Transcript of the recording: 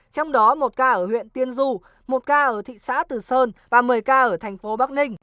trong đó một ca ở huyện tiên du một ca ở thị xã từ sơn và một mươi ca ở thành phố bắc ninh